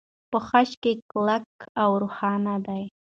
په خج کې کلکه او روښانه ده.